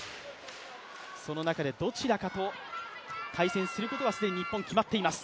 その中でどちらかと対戦することは既に日本は決まっています。